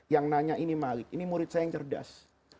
yang nanya ini malik ini murid saya yang cerdas